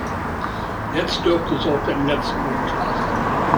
Jetzt dürfte es auch dem Letzten unklar sein.